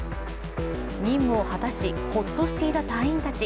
任務を果たしホッとしていた隊員たち。